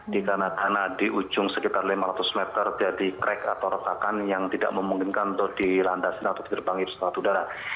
di tanah dana di ujung sekitar lima ratus meter jadi crack atau retakan yang tidak memungkinkan untuk dilandaskan atau diterbangin pesawat udara